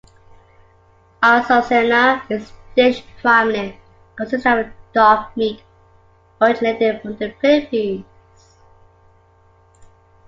Asocena is a dish primarily consisting of dog meat originating from the Philippines.